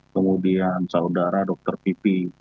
kemudian saudara dr pipi